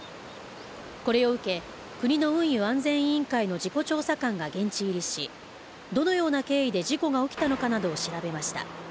これを受け、国の運輸安全委員会の事故調査官が現地入りし、どのような経緯で事故が起きたのかなどを調べました。